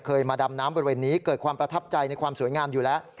มาดำน้ำบริเวณนี้เกิดความประทับใจในความสวยงามอยู่แล้ว